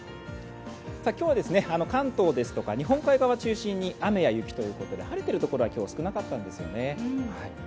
今日は関東ですとか日本海側中心に雨や雪ということで晴れてる所は今日、少なかったんですよね。